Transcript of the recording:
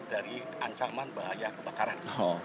dari ancaman bahaya kebakaran